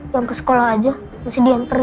yang ke sekolah aja masih diantarin